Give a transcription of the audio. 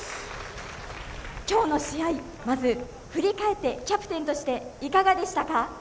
きょうの試合まず振り返ってキャプテンとしていかがでしたか？